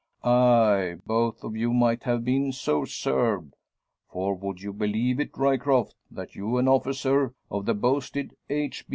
Aye, both of you might have been so served. For would you believe it Ryecroft, that you, an officer of the boasted H.